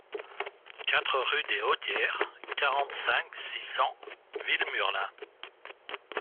quatre rue des Haudières, quarante-cinq, six cents, Villemurlin